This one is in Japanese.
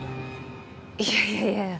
いやいやいやいや。